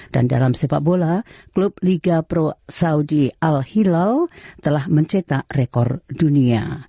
dan dalam sepak bola klub liga pro saudi al hilal telah mencetak rekor dunia